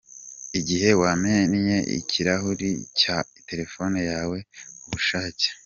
Igihe wamennye ikirahuri cya telefone yawe k’ubushake.